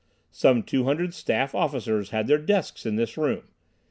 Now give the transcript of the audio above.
Some 200 staff officers had their desks in this room.